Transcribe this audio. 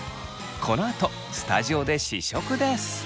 このあとスタジオで試食です！